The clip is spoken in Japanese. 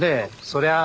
そりゃ。